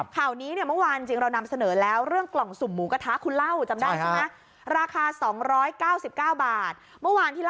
ข่าวนี้เมื่อวานเรานำเสนอแล้วเรื่องกล่องสุ่มหมูกะทะครับ